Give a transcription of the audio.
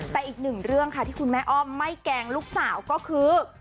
แต่อีกหนึ่งเรื่องค่ะที่คุณแม่อ้อมไม่แกล้งลูกสาวก็คือ